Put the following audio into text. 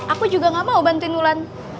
aku juga gak mau bantuin nulan